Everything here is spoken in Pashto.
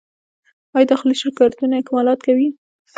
آیا داخلي شرکتونه اکمالات کوي؟